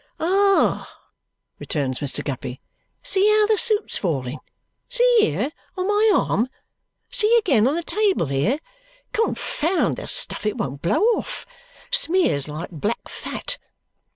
"Ah!" returns Mr. Guppy. "See how the soot's falling. See here, on my arm! See again, on the table here! Confound the stuff, it won't blow off smears like black fat!"